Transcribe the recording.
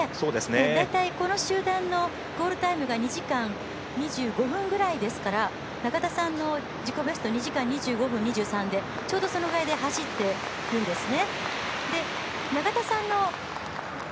大体、この集団のゴールタイムが２時間２５分ぐらいですから永田さんの自己ベスト２時間２５分２３でちょうどそのぐらいで走っているんですね。